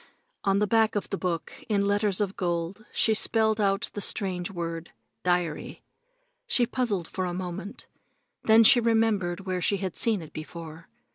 On the back of the book in letters of gold she spelled out the strange word, "Diary." She puzzled for a moment, then she remembered where she had seen it before.